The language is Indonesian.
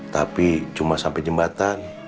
tapi cuma sampai jembatan